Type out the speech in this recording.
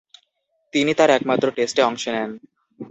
তিনি তার একমাত্র টেস্টে অংশ নেন।